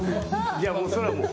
いやそれはもう。